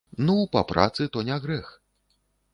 Ну, па працы, то не грэх.